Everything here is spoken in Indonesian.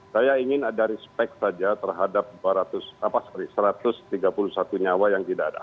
saya ingin ada respect saja terhadap dua ratus apa sorry satu ratus tiga puluh satu nyawa yang tidak ada